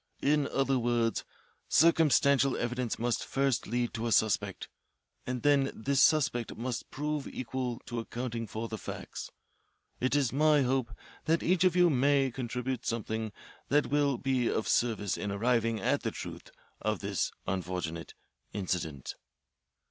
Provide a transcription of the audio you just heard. In other words, circumstantial evidence must first lead to a suspect, and then this suspect must prove equal to accounting for the facts. It is my hope that each of you may contribute something that will be of service in arriving at the truth of this unfortunate incident."